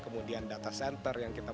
kemudian data center yang kita